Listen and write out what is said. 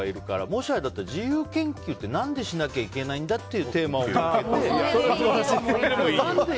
もしあれだったら、自由研究ってなぜしなきゃいけないんだというテーマを設けて。